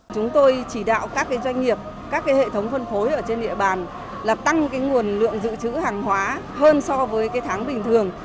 chúng tôi chỉ đạo các doanh nghiệp các hệ thống phân phối ở trên địa bàn là tăng nguồn lượng dự trữ hàng hóa hơn so với tháng bình thường